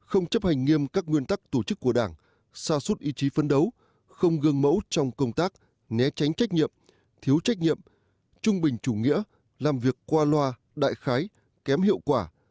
không chấp hành nghiêm các nguyên tắc tổ chức của đảng xa suốt ý chí phấn đấu không gương mẫu trong công tác né tránh trách nhiệm thiếu trách nhiệm trung bình chủ nghĩa làm việc qua loa đại khái kém hiệu quả